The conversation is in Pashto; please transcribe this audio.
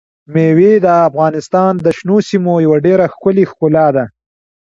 مېوې د افغانستان د شنو سیمو یوه ډېره ښکلې ښکلا ده.